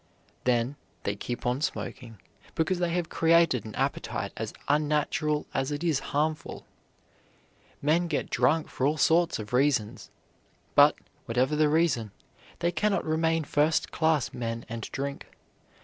Then they keep on smoking because they have created an appetite as unnatural as it is harmful. Men get drunk for all sorts of reasons; but, whatever the reason, they cannot remain first class men and drink.